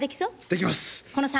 できます！